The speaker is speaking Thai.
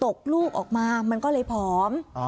ตกลูกของออกมามันก็เลยพร้อม